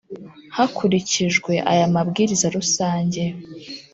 Hakurikijwe aya mabwiriza rusange